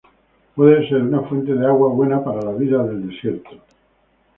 Puede ser una fuente de agua buena para la vida del desierto.